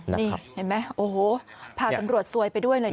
นี่เห็นไหมโอ้โหพาตำรวจซวยไปด้วยเลย